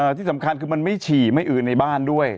ที่สำคัญคือมันไม่ฉี่ไม่อื่นในบ้านด้วย